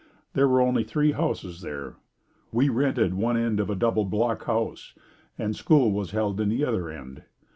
There were only three houses there. We rented one end of a double block house and school was held in the other end.